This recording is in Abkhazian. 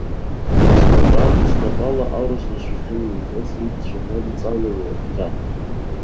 Снатәан, снапала аурыс бызшәахьы еиҭазгеит цәаҳәанҵала уи ахәҭа.